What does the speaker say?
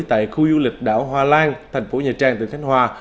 tại khu du lịch đảo hoa lan thành phố nhà trang tỉnh khánh hòa